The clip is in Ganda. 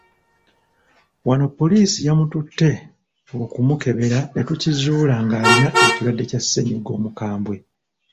Wano poliisi yamututte okumukebera ne tukizuula ng'alina ekirwadde kya ssennyiga omukambwe.